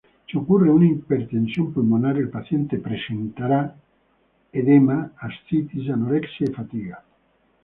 Si ocurre una hipertensión pulmonar el paciente presentará con edema, ascitis, anorexia y fatiga.